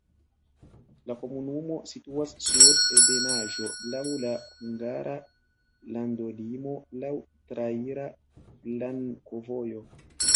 La komunumo situas sur ebenaĵo, laŭ la hungara landolimo, laŭ traira flankovojo.